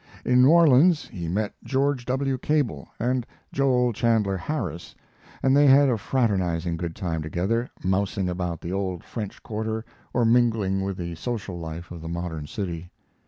In New Orleans he met George W. Cable and Joel Chandler Harris, and they had a fraternizing good time together, mousing about the old French Quarter or mingling with the social life of the modern city.